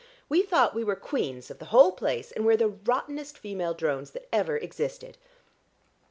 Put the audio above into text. We thought we were queens of the whole place, and we're the rottenest female drones that ever existed.